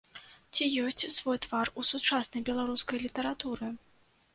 Ці ёсць свой твар у сучаснай беларускай літаратуры?